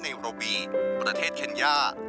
โรวีประเทศเคนย่า